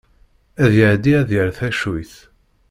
Ad iɛeddi ad yerr tacuyt.